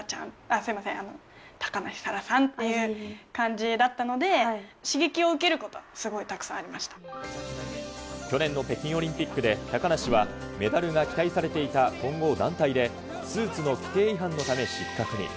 すみません、高梨沙羅さんっていう感じだったので、刺激を受ける去年の北京オリンピックで、高梨はメダルが期待されていた混合団体で、スーツの規定違反のため、失格に。